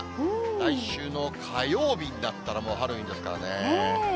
来週の火曜日になったら、もうハロウィーンですからね。